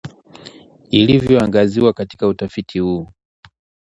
ilivyoangaziwa katika utafit huu